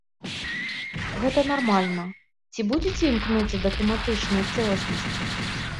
Гэта нармальна, ці будзеце імкнуцца да тэматычнай цэласнасці?